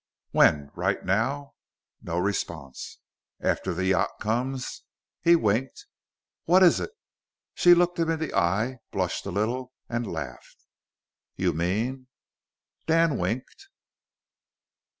"When? Right now?" No response. "After the yacht comes." He winked. "What is it?" She looked him in the eye, blushed a little, and laughed. "You mean " Dan winked.